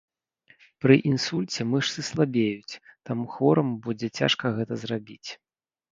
Пры інсульце мышцы слабеюць, таму хвораму будзе цяжка гэта зрабіць.